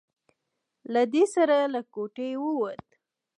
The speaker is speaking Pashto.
له دې سره له کوټې ووت.